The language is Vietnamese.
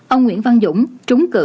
ông nguyễn văn dũng trúng cử